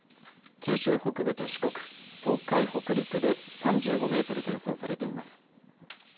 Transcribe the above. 九州北部と四国、東海、北陸で３５メートルと予想されています。